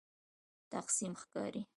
تقسیم ښکاري.